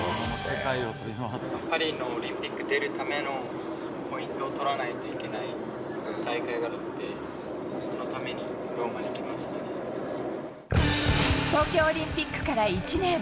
パリのオリンピック出るためのポイントを取らないといけない大会があるので、東京オリンピックから１年。